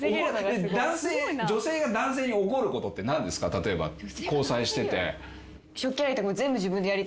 例えば交際してて。